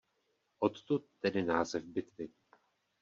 Odtud tedy název bitvy.